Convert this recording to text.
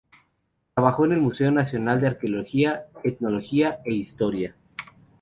Trabajó en el Museo Nacional de Arqueología, Etnología e Historia.